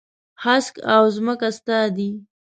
هسک او ځمکه ستا دي.